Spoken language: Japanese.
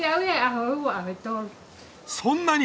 そんなに！